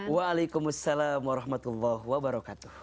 waalaikumsalam warahmatullahi wabarakatuh